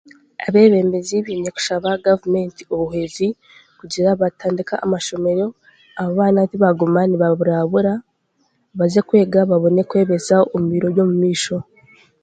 Abaabembezi baine kushaba gavumenti obuhwezi kugira batandike amashomero abaana tibaaguma nibaburabura baze kwega babone kwebeisaho omu biro by'omumaisho